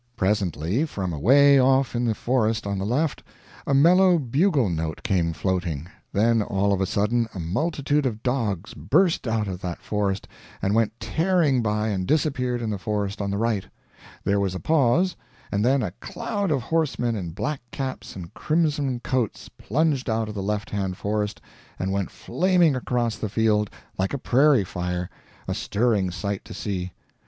Presently, from away off in the forest on the left, a mellow bugle note came floating; then all of a sudden a multitude of dogs burst out of that forest and went tearing by and disappeared in the forest on the right; there was a pause, and then a cloud of horsemen in black caps and crimson coats plunged out of the left hand forest and went flaming across the field like a prairie fire, a stirring sight to see.